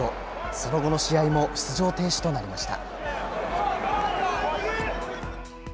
その後の試合も出場停止となりました。